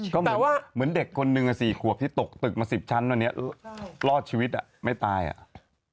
ก็เหมือนเด็กคนนึง๔ขวบที่ตกตึกมา๑๐ชั้นรอดชีวิตไม่ตายอ่ะ